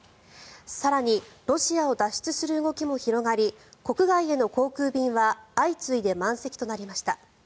更に、ロシアを脱出する動きも広がり国外への航空便は相次いで満席となりました。